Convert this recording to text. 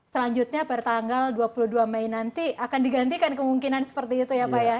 selanjutnya pertanggal dua puluh dua mei nanti akan digantikan kemungkinan seperti itu ya pak ya